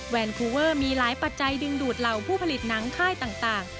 คูเวอร์มีหลายปัจจัยดึงดูดเหล่าผู้ผลิตหนังค่ายต่าง